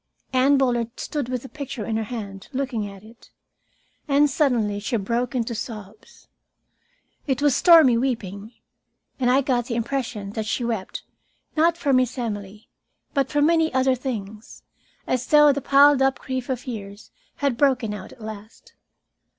Anne Bullard stood with the picture in her hand, looking at it. And suddenly she broke into sobs. It was stormy weeping, and I got the impression that she wept, not for Miss Emily, but for many other things as though the piled up grief of years had broken out at last.